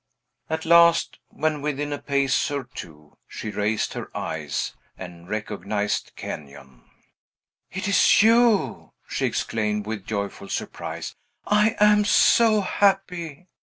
At last, when within a pace or two, she raised her eyes and recognized Kenyon. "It is you!" she exclaimed, with joyful surprise. "I am so happy."